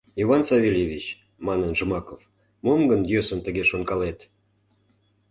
— Иван Савельевич, — манын Жмаков, — мом гын йӧсын тыге шонкалет?